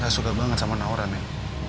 gak suka banget sama nora men